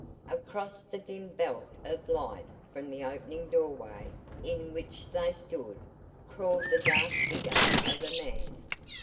Across the dim belt of light from the open doorway in which they stood, crawled the dark figure of a man.